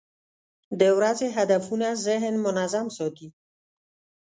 د ورځې هدفونه ذهن منظم ساتي.